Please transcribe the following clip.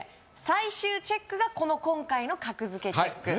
最終チェックがこの今回の格付けチェック